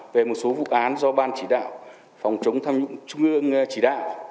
về một số vụ án do ban chỉ đạo phòng chống tham nhũng trung ương chỉ đạo